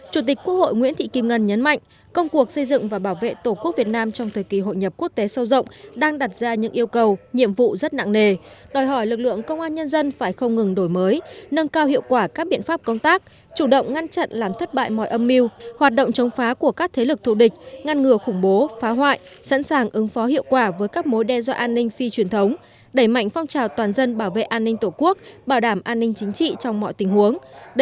chủ tịch quốc hội nguyễn thị kim ngân nhấn mạnh công cuộc xây dựng và bảo vệ tổ quốc việt nam trong thời kỳ hội nhập quốc tế sâu rộng đang đặt ra những yêu cầu nhiệm vụ rất nặng nề đòi hỏi lực lượng công an nhân dân phải không ngừng đổi mới nâng cao hiệu quả các biện pháp công tác chủ động ngăn chặn làm thất bại mọi âm mưu hoạt động chống phá của các thế lực thủ địch ngăn ngừa khủng bố phá hoại sẵn sàng ứng phó hiệu quả với các mối đe dọa an ninh phi truyền thống đẩy mạnh phong trào toàn dân bảo vệ an